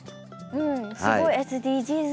うんすごいＳＤＧｓですね。